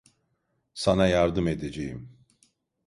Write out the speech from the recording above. Sana yardım edeceğim.